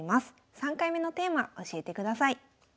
３回目のテーマ教えてください。